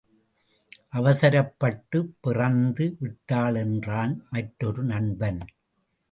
அவசரப்பட்டுப் பிறந்து விட்டாள் என்றான் மற்றொரு நண்பன்.